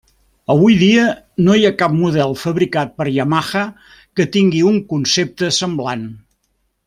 Avui dia no hi ha cap model fabricat per Yamaha que tingui un concepte semblant.